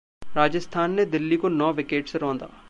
राजस्थान ने दिल्ली को नौ विकेट से रौंदा